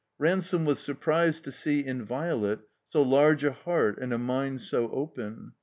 Ransome was stirprised to see in Violet so large a heart and a mind so open.